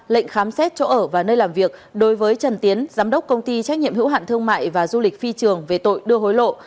lệnh khám xét chỗ ở và nơi làm việc đối với trần tiến giám đốc công ty trách nhiệm hữu hạn thương mại và du lịch phi trường về tội đưa hối lộ